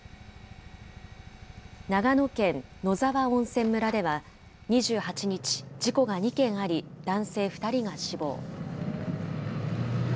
長野県野沢温泉村では、２８日、事故が２件あり、男性２人が死亡。